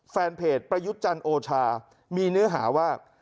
แฟนเพจประยุทธ์จันทร์โอชามีเนื้อหาว่า